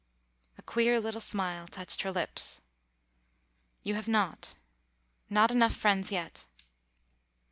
A queer little smile touched her lips. "You have not. Not enough friends yet.